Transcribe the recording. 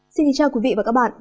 xin chào quý vị và các bạn